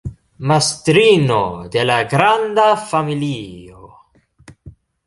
Mastrino de la granda familio.